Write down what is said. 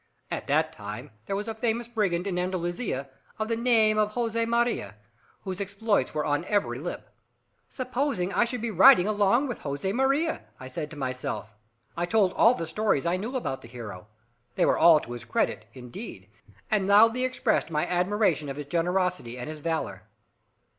At that time there was a famous brigand in Andalusia, of the name of Jose Maria, whose exploits were on every lip. "Supposing I should be riding along with Jose Maria!" said I to myself. I told all the stories I knew about the hero they were all to his credit, indeed, and loudly expressed my admiration of his generosity and his valour.